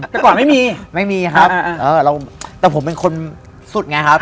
แต่ก่อนไม่มีไม่มีครับเออเราแต่ผมเป็นคนสุดไงครับ